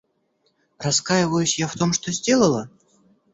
Раскаиваюсь я в том, что сделала?